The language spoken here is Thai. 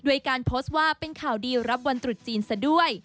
ด้วยการโพสต์ว่าเป็นข่าวดีรับวันตรุษจีนซะด้วย